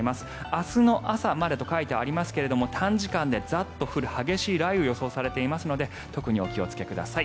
明日の朝までと書いてありますが短時間でザッと降る激しい雷雨が予想されていますので特にお気をつけください。